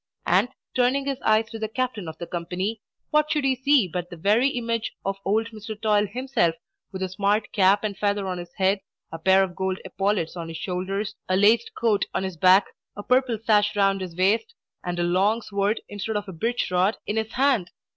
And, turning his eyes to the captain of the company, what should he see but the very image of old Mr. Toil himself, with a smart cap and feather on his head, a pair of gold epaulets on his shoulders, a laced coat on his back, a purple sash round his waist, and a long sword, instead of a birch rod, in his hand.